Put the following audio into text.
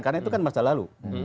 karena itu kan masa lalu